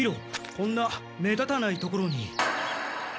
こんな目立たない所に。